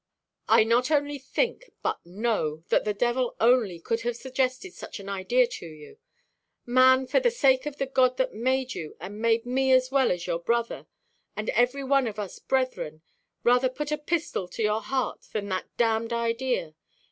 "I not only think, but know, that the devil only could have suggested such an idea to you. Man, for the sake of the God that made you, and made me as well as your brother, and every one of us brethren, rather put a pistol to your heart than that damned idea.